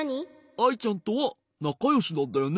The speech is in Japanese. アイちゃんとはなかよしなんだよね？